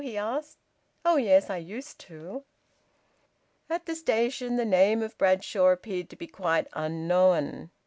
he asked. "Oh yes! I used to." At the station the name of Bradshaw appeared to be quite unknown.